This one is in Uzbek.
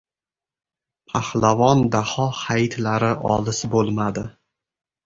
Pahlavon Daho hayitlari olis bo‘lmadi.